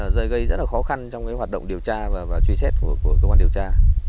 rồi gây rất khó khăn trong hoạt động điều tra và truy xét của cơ quan điều tra